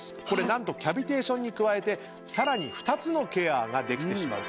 何とキャビテーションに加えてさらに２つのケアができてしまうと。